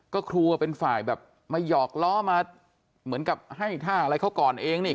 ก็ครูเป็นฝ่ายแบบมาหยอกล้อมาเหมือนกับให้ท่าอะไรเขาก่อนเองนี่